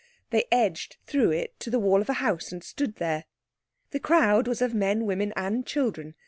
They edged through it to the wall of a house and stood there. The crowd was of men, women, and children.